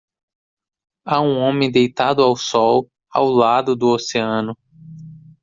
Há um homem deitado ao sol ao lado do oceano.